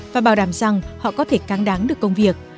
và bảo đảm rằng họ có thể cang đáng được công việc